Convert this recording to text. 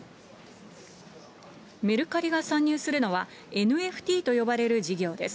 メルカリが参入するのは、ＮＦＴと呼ばれる事業です。